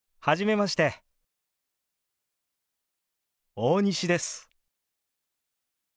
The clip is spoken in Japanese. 大西です。